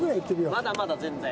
まだまだ全然。